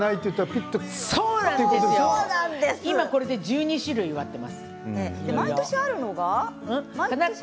これで１２種類植わっています。